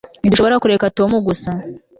Ntidushobora kureka Tom gusa